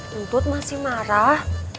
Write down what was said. mumput masih marah